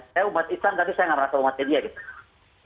saya umat islam tapi saya nggak merasa umatnya dia gitu